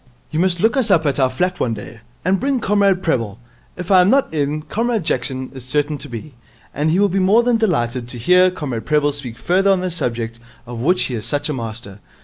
You must look us up at our flat one day, and bring Comrade Prebble. If I am not in, Comrade Jackson is certain to be, and he will be more than delighted to hear Comrade Prebble speak further on the subject of which he is such a master.'